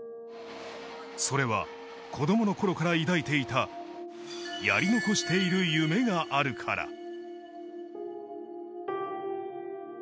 それは子供の頃から抱いていた、やり残している夢があるから。